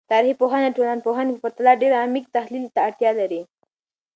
تاریخي پوهنه د ټولنپوهنې په پرتله ډیر عمیق تحلیل ته اړتیا لري.